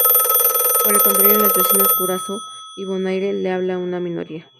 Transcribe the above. Por el contrario, en las vecinas Curazao y Bonaire lo habla una minoría.